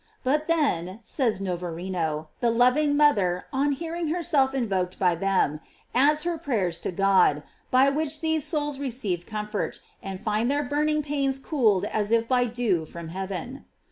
But, then, says Novarino, the loving mother, on hearing herself invoked by them, adds her prayers to God, by which these souls receive comfort, and find their burning pains cooled aa if by dew from heaven.